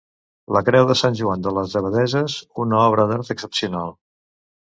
La creu de Sant Joan de les Abadesses: una obra d'art excepcional.